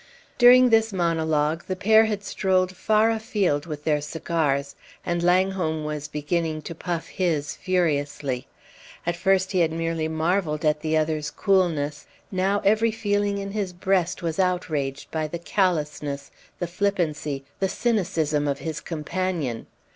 During this monologue the pair had strolled far afield with their cigars, and Langholm was beginning to puff his furiously. At first he had merely marvelled at the other's coolness; now every feeling in his breast was outraged by the callousness, the flippancy, the cynicism of his companion.